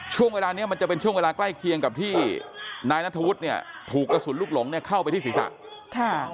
ช่วงเวลานี้มันจะเป็นช่วงเวลาใกล้เคียงกับที่นายนัทธวุฒิเนี่ยถูกกระสุนลูกหลงเนี่ยเข้าไปที่ศีรษะค่ะ